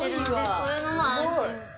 こういうのも安心。